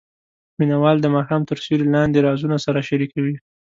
مینه وال د ماښام تر سیوري لاندې رازونه سره شریکوي.